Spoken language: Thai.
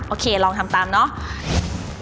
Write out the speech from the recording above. โอเคลองทำตามเนอะ